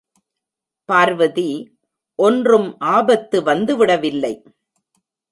பார்வதி, ஒன்றும் ஆபத்து வந்துவிடவில்லை.